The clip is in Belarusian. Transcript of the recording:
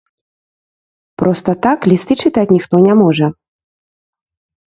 Проста так лісты чытаць ніхто не можа.